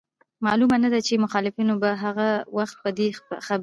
معلومه نه ده چي مخالفينو به هغه وخت په دې خبري